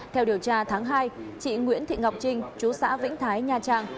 theo điều tra tháng hai chị nguyễn thị ngọc trinh chú xã vĩnh thái nha trang